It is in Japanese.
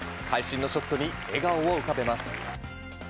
会心のショットに、笑顔を浮かべます。